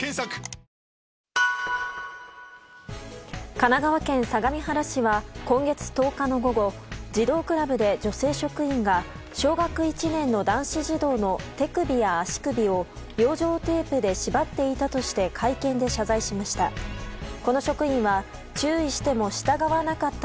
神奈川県相模原市は今月１０日の午後児童クラブで女性職員が小学１年の男子児童の手首や足首を養生テープで縛っていたとして会見で謝罪しました。